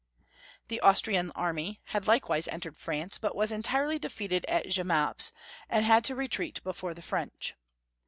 The Austrian army had likewise entered France, but was entirely defeated at Jemappes, and had to retreat before the French.